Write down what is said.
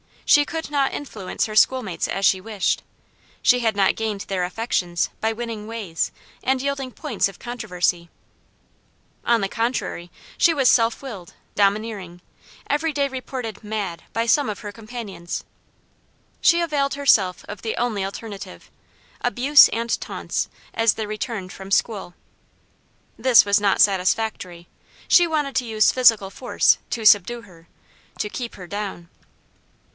She could not influence her schoolmates as she wished. She had not gained their affections by winning ways and yielding points of controversy. On the contrary, she was self willed, domineering; every day reported "mad" by some of her companions. She availed herself of the only alternative, abuse and taunts, as they returned from school. This was not satisfactory; she wanted to use physical force "to subdue her," to "keep her down."